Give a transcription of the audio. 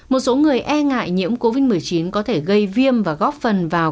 một số người e ngại nhiễm covid một mươi chín có thể gây viêm và góp phần vào